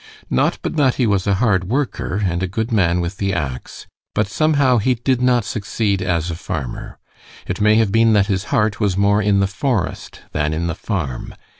Not but that he was a hard worker and a good man with the ax, but somehow he did not succeed as a farmer. It may have been that his heart was more in the forest than in the farm.